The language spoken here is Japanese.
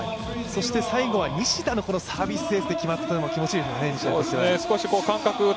そして最後は西田のサービスエースで決まったのも、気持ちよかったですよね、西田としては。